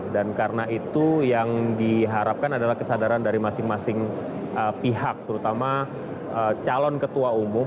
dan karena itu yang diharapkan adalah kesadaran dari masing masing pihak terutama calon ketua umum